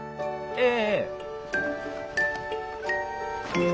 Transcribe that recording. ええ。